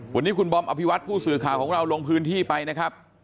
วันนี้คุณบอมอภิวัตผู้สื่อข่าวของเราลงพื้นที่ไปนะครับ